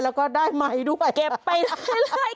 แล้วก็ได้ไมค์ด้วย